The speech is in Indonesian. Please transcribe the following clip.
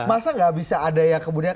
masa nggak bisa ada yang kemudian